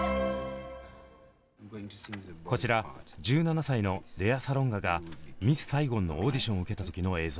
こちら１７歳のレア・サロンガが「ミス・サイゴン」のオーディションを受けた時の映像。